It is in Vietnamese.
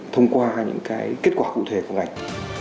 thông qua những cái kết quả cụ thể của ngành